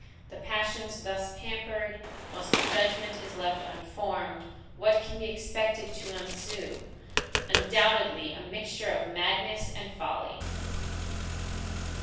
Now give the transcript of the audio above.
The passions thus pampered, whilst the judgment is left unformed, what can be expected to ensue? Undoubtedly, a mixture of madness and folly!